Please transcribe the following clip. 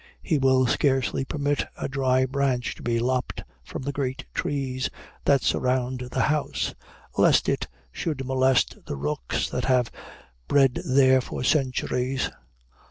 He will scarcely permit a dry branch to be lopped from the great trees that surround the house, lest it should molest the rooks, that have bred there for centuries.